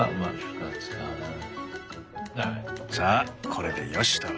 さあこれでよしと。